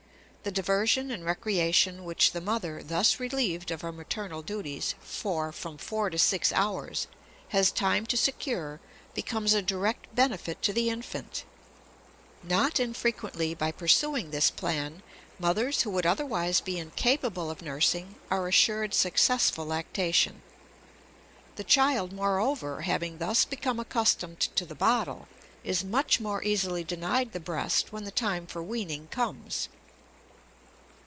The diversion and recreation which the mother, thus relieved of her maternal duties for from four to six hours, has time to secure becomes a direct benefit to the infant. Not infrequently by pursuing this plan, mothers who would otherwise be incapable of nursing are assured successful lactation. The child, moreover, having thus become accustomed to the bottle, is much more easily denied the breast when the time for weaning comes.